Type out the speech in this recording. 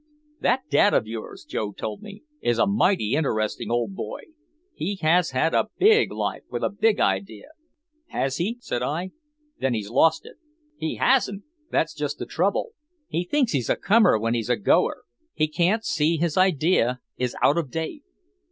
"That dad of yours," Joe told me, "is a mighty interesting old boy. He has had a big life with a big idea." "Has he?" said I. "Then he's lost it." "He hasn't! That's just the trouble. He thinks he's a comer when he's a goer he can't see his idea is out of date.